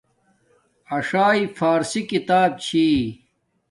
اݽݵ فارسی کتاب چھی